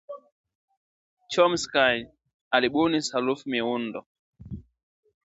Chomsky alibuni Sarufi Miundo